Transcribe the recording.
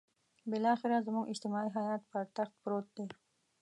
بالاخره زموږ اجتماعي حيات پر تخت پروت دی.